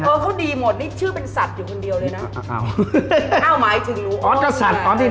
บางคนก็อาจจะชื่อสนลมไม้ชื่ออะไรอย่างนี้นะ